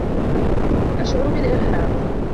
أشعر بالإرهاق.